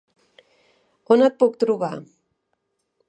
On et puc trobar?